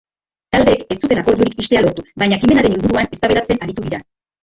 Taldeek ez zuten akordiorik ixtea lortu, baina ekimenaren inguruan eztabaidatzen aritu dira.